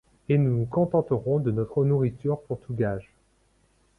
Et nous nous contenterons de notre nourriture pour tout gage